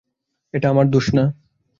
এটা আমার দোষ না।